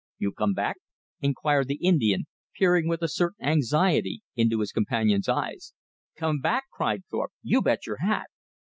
"You come back?" inquired the Indian, peering with a certain anxiety into his companion's eyes. "Come back!" cried Thorpe. "You bet your hat!"